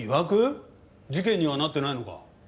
事件にはなってないのか？